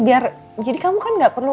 biar jadi kamu kan gak perlu